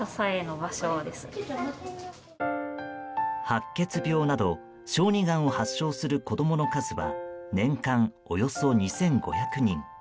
白血病など、小児がんを発症する子供の数は年間およそ２５００人。